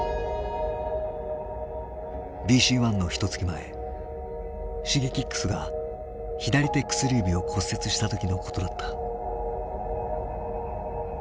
ＢＣＯｎｅのひとつき前Ｓｈｉｇｅｋｉｘが左手薬指を骨折した時のことだった。